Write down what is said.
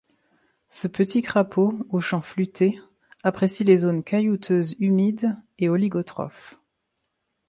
Ce petit crapaud au chant fluté apprécie les zones caillouteuses humides et oligotrophes.